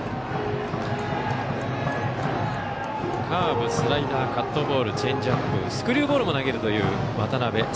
カーブ、スライダーカットボールチェンジアップスクリューボールも投げるという渡邊。